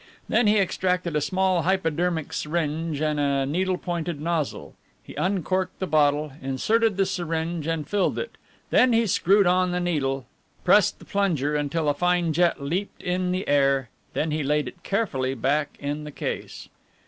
Then he extracted a small hypodermic syringe and a needle pointed nozzle. He uncorked the bottle, inserted the syringe and filled it, then he screwed on the needle, pressed the plunger until a fine jet leapt in the air, then he laid it carefully back in the case.